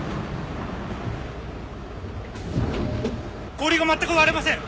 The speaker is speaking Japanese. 氷が全く割れません！